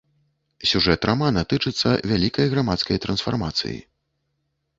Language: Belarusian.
Сюжэт рамана тычыцца вялікай грамадскай трансфармацыі.